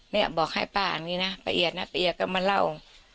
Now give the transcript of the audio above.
แม่บอกให้ป้าอันนี้นะปะเอียดนะปะเอียดก็มาเล่า